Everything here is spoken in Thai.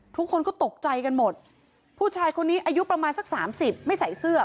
ทุกคนก็ตกใจกันหมดผู้ชายคนนี้อายุประมาณสักสามสิบไม่ใส่เสื้อ